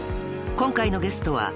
今回のゲストは］